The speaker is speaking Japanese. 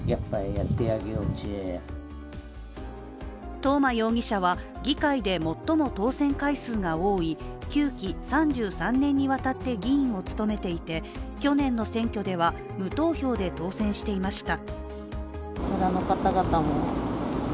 東間容疑者は議会で最も当選回数が多い９期３３年にわたって議員を務めていて去年の選挙では無投票で当選していました。